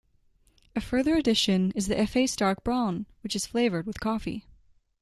A further addition is the Efes Dark Brown which is flavored with coffee.